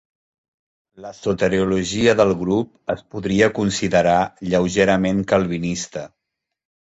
La soteriologia del grup es podria considerar lleugerament calvinista.